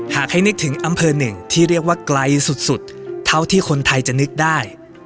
หากให้นึกถึงอำเภอหนึ่งที่เรียกว่าไกลสุดเท่าที่คนไทยจะนึกได้